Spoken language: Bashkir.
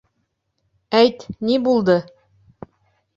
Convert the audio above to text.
Әйт, ни булды?